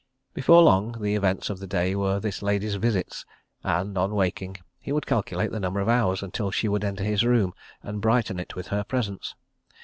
Before long, the events of the day were this lady's visits, and, on waking, he would calculate the number of hours until she would enter his room and brighten it with her presence.